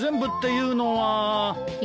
「いうのは」？